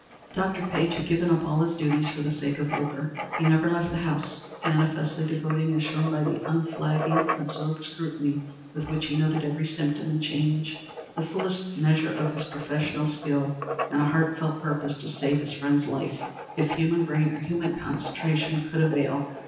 Dr. Page had given up all his duties for the sake of Wilbur. He never left the house, manifestly devoting, as shown by the unflagging, absorbed scrutiny with which he noted every symptom and change, the fullest measure of his professional skill and a heart felt purpose to save his friend's life if human brain or human concentration could avail.